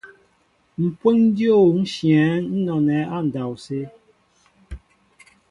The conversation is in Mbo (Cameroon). Mpweŋ dyô nshyɛέŋ nɔnɛɛ andɔwsé.